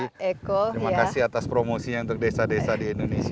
terima kasih atas promosinya untuk desa desa di indonesia